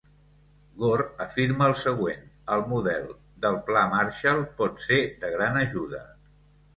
Gore afirma el següent: el modele del pla Marshall pot ser de gran ajuda.